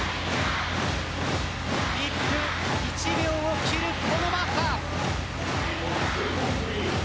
１分１秒を切るこのマッハ。